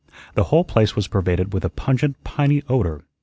The whole place was pervaded with a pungent, piney odor.